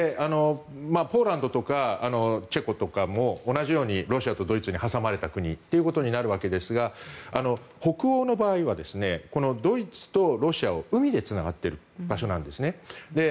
ポーランドとかチェコとかも同じようにロシアとドイツに挟まれたということになるわけですが北欧の場合はドイツとロシアは海でつながっている場所なんですね。